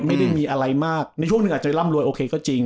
ไม่ได้มีอะไรมากในช่วงหนึ่งอาจจะร่ำรวยโอเคก็จริง